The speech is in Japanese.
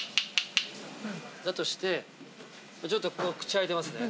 だとしてちょっとここ口開いてますね。